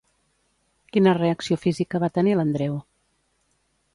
Quina reacció física va tenir l'Andreu?